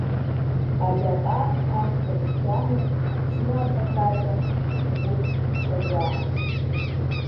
Абаҟа авторс дамоуп Аԥсны Афырхаҵа Тимур Чагәаа.